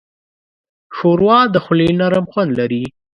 ښوروا د خولې نرم خوند لري.